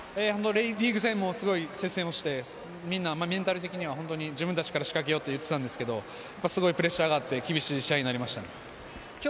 リーグ戦も接戦して、メンタル的に自分たちから仕掛けようと言っていたんですけれど、プレッシャーがあって厳しい試合になりました。